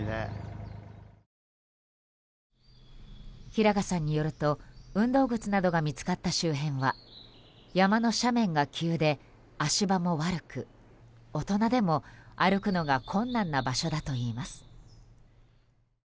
平賀さんによると運動靴などが見つかった周辺は山の斜面が急で、足場も悪く大人でも歩くのが困難な場所だといいます。